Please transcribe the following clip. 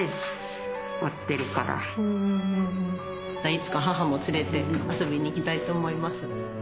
いつか母も連れて遊びに行きたいと思います。